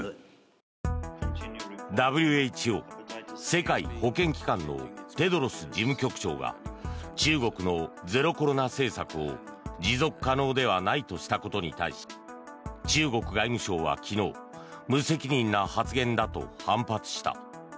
ＷＨＯ・世界保健機関のテドロス事務局長が中国のゼロコロナ政策を持続可能ではないとしたことに対し中国外務省は昨日無責任な発言だと反発した。